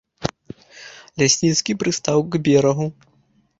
Лясніцкі прыстаў к берагу.